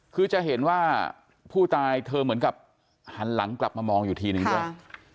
คือจะเห็นว่าผู้ตายเธอเหมือนกับหันหลังกลับมามองอยู่ทีนึงด้วย